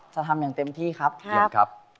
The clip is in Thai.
จะทำอย่างเต็มที่ครับ